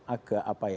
agak apa ya